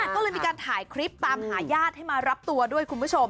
ก็เลยมีการถ่ายคลิปตามหาญาติให้มารับตัวด้วยคุณผู้ชม